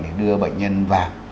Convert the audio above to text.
để đưa bệnh nhân vào